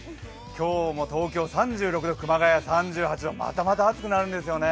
今日も東京３６度、熊谷３８度、またまた暑くなるんですよね。